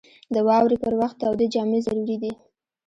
• د واورې پر وخت تودې جامې ضروري دي.